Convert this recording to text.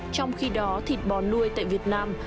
trong khi đó thịt bò nuôi tại việt nam